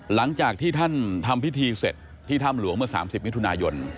หลังจากที่ท่านทำพิธีเสร็จที่ถ้ำหลวงเมื่อ๓๐มิถุนายน